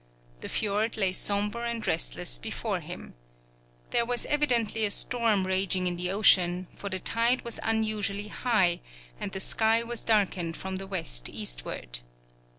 The fjord lay sombre and restless before him. There was evidently a storm raging in the ocean, for the tide was unusually high, and the sky was darkening from the west eastward.